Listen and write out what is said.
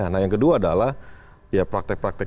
nah yang kedua adalah ya praktek praktek